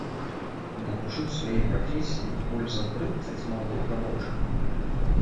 Навучыў сваёй прафесіі больш за трыццаць маладых рабочых.